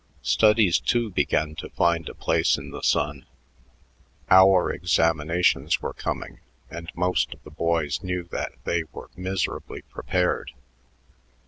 Studies, too, began to find a place in the sun. Hour examinations were coming, and most of the boys knew that they were miserably prepared.